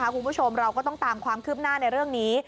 คุณผู้ชมเราก็ต้องตามความคืบหน้าในเรื่องนี้